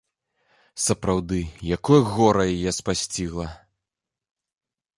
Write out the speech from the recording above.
Сапраўды, якое гора яе спасцігла!